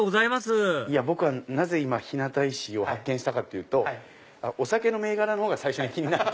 僕がなぜ今日向石を発見したかっていうとお酒の銘柄のほうが最初に気になって。